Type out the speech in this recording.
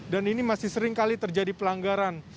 dan ini masih sering kali terjadi pelanggaran